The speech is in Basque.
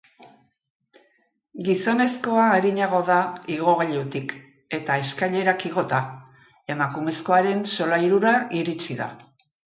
Gizonezkoa arinago da igogailutik, eta eskailerak igota, emakumezkoaren solairura iritsi da.